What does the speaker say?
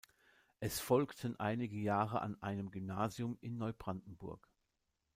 Es folgten einige Jahre an einem Gymnasium in Neubrandenburg.